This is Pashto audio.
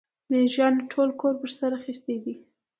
مېږيانو ټول کور پر سر اخيستی دی.